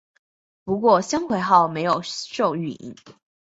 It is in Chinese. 不过香椎号没有受损。